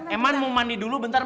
emang mau mandi dulu bentar ya